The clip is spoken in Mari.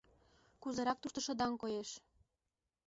Кузерак тушто шыдаҥ коеш...